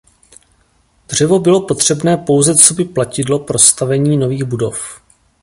Dřevo bylo potřebné pouze coby platidlo pro stavení nových budov.